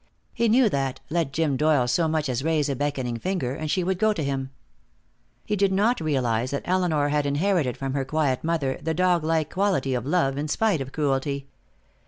He knew that, let Jim Doyle so much as raise a beckoning finger, and she would go to him. He did not realize that Elinor had inherited from her quiet mother the dog like quality of love in spite of cruelty.